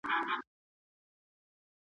ماشومان غږونه زده کوي.